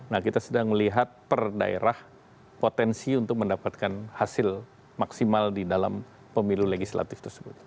nah kita sedang melihat per daerah potensi untuk mendapatkan hasil maksimal di dalam pemilu legislatif tersebut